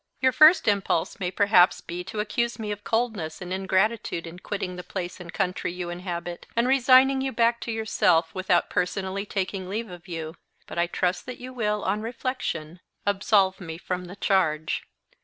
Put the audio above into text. "Your first impulse may perhaps be to accuse me of coldness and ingratitude in quitting the place and country you inhabit, and resigning you back to yourself, without personally taking leave of you; but I trust that you will, on reflection, absolve me from the charge.